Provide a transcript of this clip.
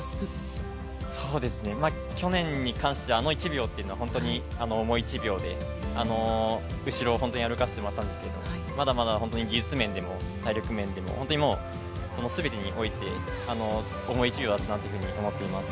去年に関しては、あの１秒というのは本当にあと１秒で後ろを歩かせてもらったんですけどまだまだ技術面でも体力面でも、全てにおいて重い１秒だったなというふうに思っています。